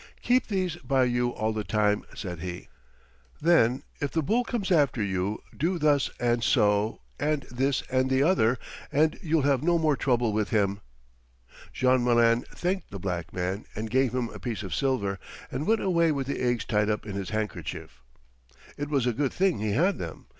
"Keep these by you all the time," said he. "Then if the bull comes after you do thus and so, and this and the other, and you will have no more trouble with him." Jean Malin thanked the black man and gave him a piece of silver, and went away with the eggs tied up in his handkerchief. It was a good thing he had them.